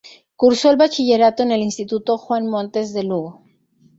Cursó el bachillerato en el instituto Juan Montes de Lugo.